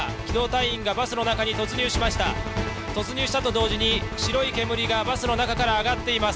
突入したと同時に白い煙がバスの中から上がっています。